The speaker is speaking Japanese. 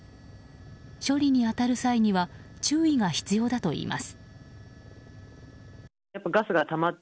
処理に当たる際には注意が必要だといいます。